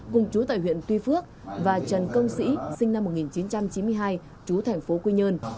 cùng chú tại huyện tuy phước và trần công sĩ sinh năm một nghìn chín trăm chín mươi hai chú thành phố quy nhơn